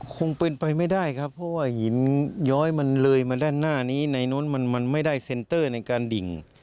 คงเป็นไปไม่ได้ครับเพราะว่าหินย้อยมันเลยมาด้านหน้านี้ในนู้นมันไม่ได้เซ็นเตอร์ในการดิ่ง